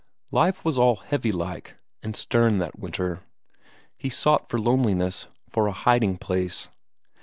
Life was all heavy like and stern that winter; he sought for loneliness, for a hiding place.